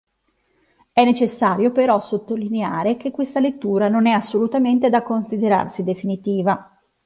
È necessario, però, sottolineare che questa lettura non è assolutamente da considerarsi definitiva.